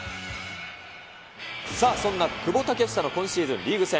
そんな久保建英の今シーズンリーグ戦